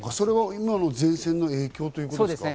今の前線の影響ということですか？